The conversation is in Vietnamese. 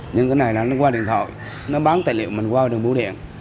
nhưng cái này là nó qua điện thoại nó bán tài liệu mình qua đường bô điện